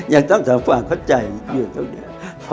ยังต้องทำความเข้าใจอยู่ตรงนี้